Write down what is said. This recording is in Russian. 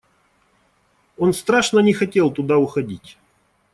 Он страшно не хотел туда уходить.